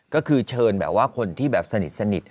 ก็คือเชิญแบบว่าคนที่แบบสนิท